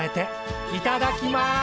いただきます！